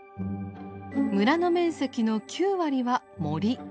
村の面積の９割は森。